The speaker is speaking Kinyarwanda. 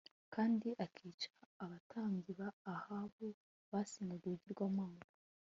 kandi akica abatambyi ba Ahabu basengaga ibigirwamana